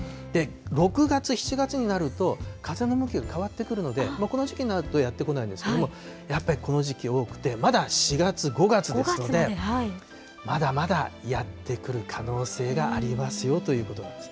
６月、７月になると、風の向きが変わってくるので、この時期になるとやって来ないんですけど、やっぱりこの時期多くて、まだ４月、５月ですので、まだまだやって来る可能性がありますよということなんです。